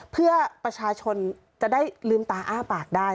เพื่อประชาชนจะได้ลืมตาอ้าปากได้